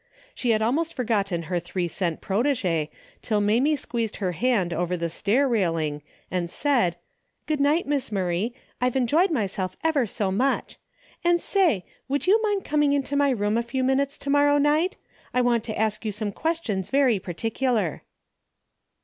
She had almost forgotten her three cent protegee, till Mamie squeezed her hand over the stair railing and said, " Good night, Miss Murray, I've enjoyed myself ever so much. And say, would you mind coming into my room a few minutes to morrow night ? I want to ask you some ques tions very particular."